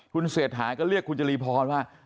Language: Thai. คุณเศรษฐาก็เรียกคุณจรีพรว่า